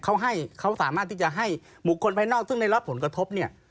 เขาให้เขาสามารถที่จะให้บุคคลภายนอกซึ่งได้รับผลกระทบเนี่ย